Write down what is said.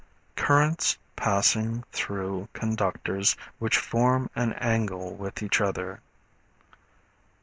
Currents passing through conductors which form an angle with each other.